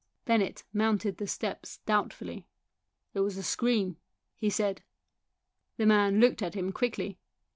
Bennett mounted the steps doubtfully. "There was a scream," he said. The man looked at him quickly.